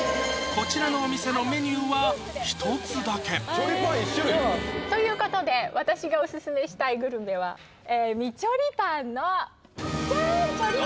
こちらのお店のメニューは１つだけということで私がオススメしたいグルメはミ・チョリパンのジャン！